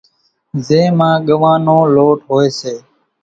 زين مان ڳوان نو لوٽ ھوئي سي،